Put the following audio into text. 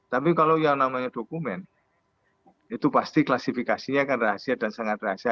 tapi kalau yang namanya dokumen itu pasti klasifikasinya akan rahasia dan sangat rahasia